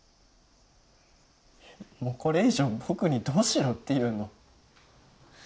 もうこれ以上僕にどうしろって言うの？